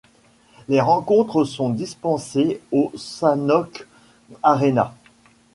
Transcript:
Les rencontres sont disputées au Sanok Arena.